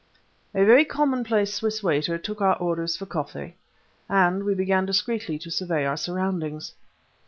A very commonplace Swiss waiter took our orders for coffee, and we began discreetly to survey our surroundings.